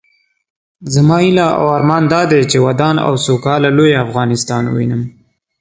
زما هيله او لوئ ارمان دادی چې ودان او سوکاله لوئ افغانستان ووينم